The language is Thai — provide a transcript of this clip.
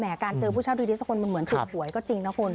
แหม่การเจอผู้เช่าดีที่สกลมันเหมือนติดห่วยก็จริงนะคุณ